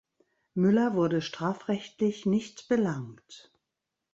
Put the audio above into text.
Müller wurde strafrechtlich nicht belangt.